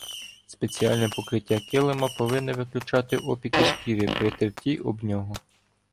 Спеціальне покриття килима повинне виключати опіки шкіри при терті об нього.